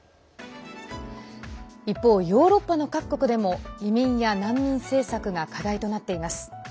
一方ヨーロッパの各国でも移民や難民政策が課題となっています。